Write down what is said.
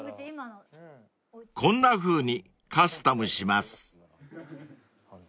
［こんなふうにカスタムします］